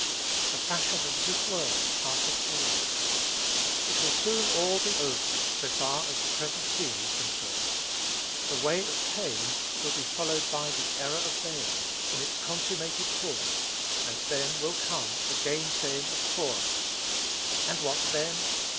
"The fashion of this world passeth away." It will soon all be over, so far as the present scene is concerned. "The way of Cain" will be followed by "the error of Balaam," in its consummated form; and then will come "the gainsaying of Core;" and what then?